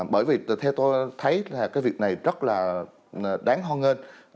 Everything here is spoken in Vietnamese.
bởi vì theo tôi thấy là cái việc này rất là đáng ho ngên